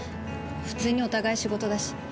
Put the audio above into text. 普通にお互い仕事だし。